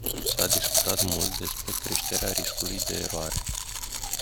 S-a discutat mult despre creșterea riscului de eroare.